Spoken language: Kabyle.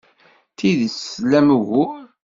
D tidet tlam ugur.